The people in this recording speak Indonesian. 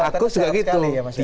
aku juga gitu